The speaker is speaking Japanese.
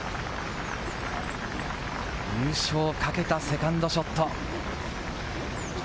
優勝をかけたセカンドショット。